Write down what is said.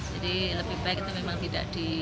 jadi lebih baik kita memang tidak di